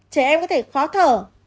trẻ em có thể khó thở